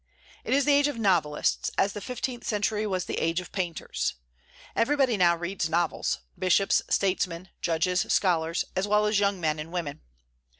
It is the age of novelists, as the fifteenth century was the age of painters. Everybody now reads novels, bishops, statesmen, judges, scholars, as well as young men and women.